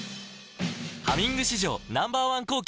「ハミング」史上Ｎｏ．１抗菌